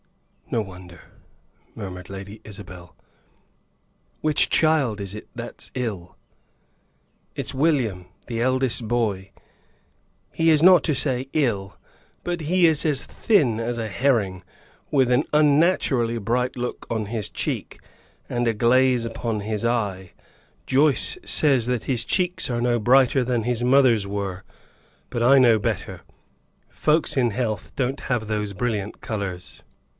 "No wonder," murmured Lady Isabel. "Which child is it that's ill?" "It's William, the eldest boy. He is not to say ill, but he is as thin as a herring, with an unnaturally bright look on his cheek, and a glaze upon his eye. Joyce says that his cheeks are no brighter than his mother's were, but I know better. Folks in health don't have those brilliant colors."